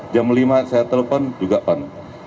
jam lima saya telepon juga pan